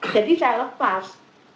jadi saya lepas